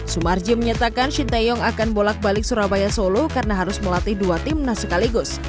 sumarji menyatakan shin taeyong akan bolak balik surabaya solo karena harus melatih dua timnas sekaligus